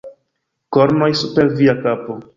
Kornoj super via kapo!